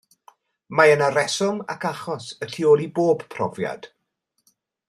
Mae yna reswm ac achos y tu ôl i bob profiad.